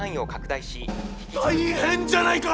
大変じゃないか。